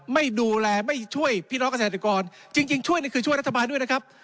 ไม่ดูแลไม่ช่วยพี่น้องเกษตรกรจริงช่วยนี่คือช่วยรัฐบาลด้วยนะครับ